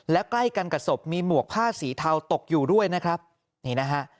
และใกล้กันกับศพมีหมวกผ้าสีเทาตกอยู่ด้วยนะครับนี่นะฮะ